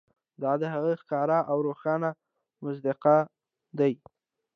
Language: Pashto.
دا د هغه ښکاره او روښانه مصداق دی.